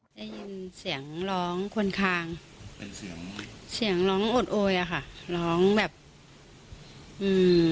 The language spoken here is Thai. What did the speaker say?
ได้ยินเสียงร้องคนคางเป็นเสียงเสียงร้องโอดโอยอ่ะค่ะร้องแบบอืม